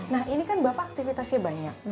nah ini kan bapak aktivitasnya banyak